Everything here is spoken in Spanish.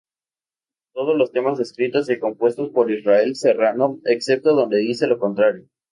Todos los temas escritos y compuestos por Ismael Serrano, excepto donde dice lo contrario.